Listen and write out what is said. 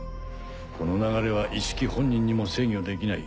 この流れはイッシキ本人にも制御できない。